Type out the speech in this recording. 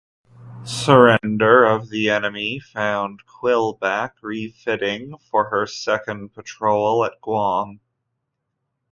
Surrender of the enemy found "Quillback" refitting for her second patrol at Guam.